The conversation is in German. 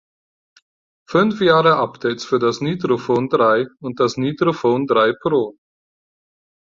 Fünf Jahre Updates für das "NitroPhone drei" und das "NitroPhone drei pro".